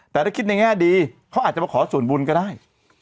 แต่ถ้าคิดในแง่ดีเขาอาจจะมาขอส่วนบุญก็ได้